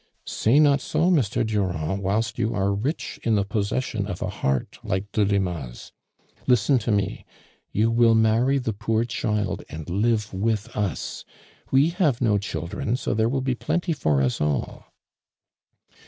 ''" .Say not so, Mr. Durand, whilst you are rich in the possession of a heart like Deli ma's. ]jisten to me ! you will marry the ])Oor child and live with us. We have no childieu. so there will bo plenty for us all."